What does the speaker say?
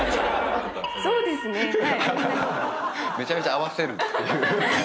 めちゃめちゃ合わせるっていう。